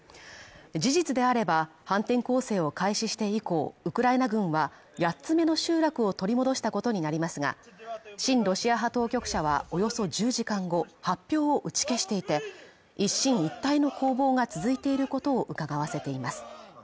事実であれば、反転攻勢を開始して以降、ウクライナ軍は八つ目の集落を取り戻したことになりますが、親ロシア派当局者はおよそ１０時間後、発表を打ち消していて、一進一退の攻防が続いていることをうかがわせています。